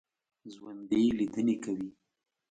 ژوندي لیدنې کوي